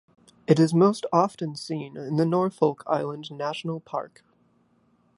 It is most often seen in the Norfolk Island National Park.